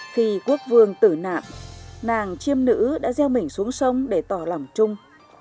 khi quốc vương tử nạn nàng chiêm nữ đã gieo mình xuống sông để tỏ lòng chung